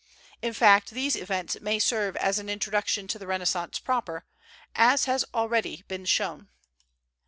In fact, these events may serve as an introduction to the Renaissance proper, as has already been shown.